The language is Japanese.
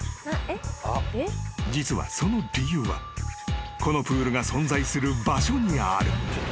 ［実はその理由はこのプールが存在する場所にある］